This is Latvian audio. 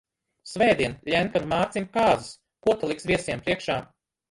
Svētdien Ļenkanu Mārcim kāzas, ko ta liks viesiem priekšā?